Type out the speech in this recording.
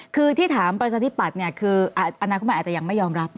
คือที่ถามประสาทธิปัตธิ์คืออาณาคมันอาจจะยังไม่ยอมรับ